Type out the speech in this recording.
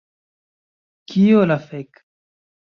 Kio la fek'?